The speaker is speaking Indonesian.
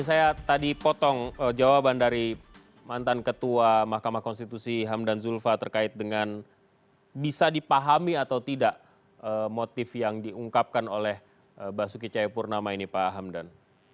saya tadi potong jawaban dari mantan ketua mahkamah konstitusi hamdan zulfa terkait dengan bisa dipahami atau tidak motif yang diungkapkan oleh basuki cahayapurnama ini pak hamdan